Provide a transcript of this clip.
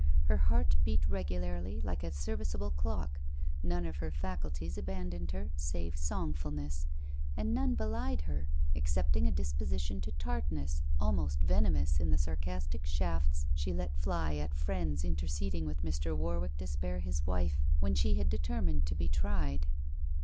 Her heart beat regularly, like a serviceable clock; none of her faculties abandoned her save songfulness, and none belied her, excepting a disposition to tartness almost venomous in the sarcastic shafts she let fly at friends interceding with Mr. Warwick to spare his wife, when she had determined to be tried.